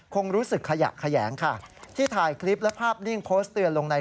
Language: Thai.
คงรู้สึกขยะแขยงค่ะที่ถ่ายคลิปและภาพนิ่งโพสต์เตือนลงใน